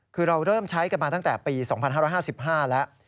คือเราเริ่มใช้กันมาตั้งแต่ปี๒๕๕๕แล้ว